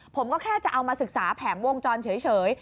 ผมก็แค่จะเอามาศึกษาแผงวงจรเฉย